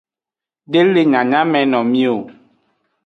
De le nyanyamenomi o.